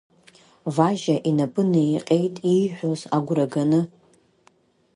Важьа инапы неиҟьеит, ииҳәоз агәраганы.